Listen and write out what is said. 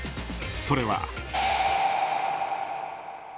それは。